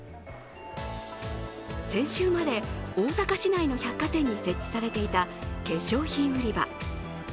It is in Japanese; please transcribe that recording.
先週まで大阪市内の百貨店に設置されていた化粧品売り場。